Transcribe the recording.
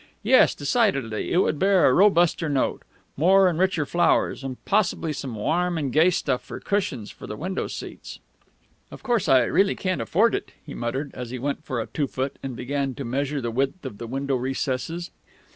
Yes, decidedly it would bear a robuster note more and richer flowers, and possibly some warm and gay stuff for cushions for the window seats.... "Of course, I really can't afford it," he muttered, as he went for a two foot and began to measure the width of the window recesses....